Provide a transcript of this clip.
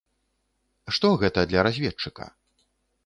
Што гэта для разведчыка?